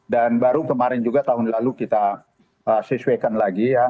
dan baru kemarin juga tahun lalu kita sesuaikan lagi ya